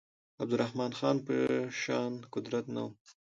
عبدالرحمن خان په شان قدرت نه وو.